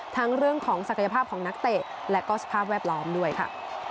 ทั้งเรื่องของศักยภาพของนักเตะและก็สภาพแวดล้อมด้วยค่ะ